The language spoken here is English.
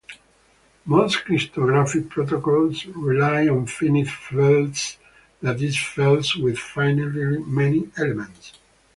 Most cryptographic protocols rely on finite fields, that is, fields with finitely many elements.